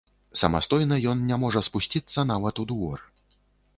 Самастойна ён не можа спусціцца нават у двор.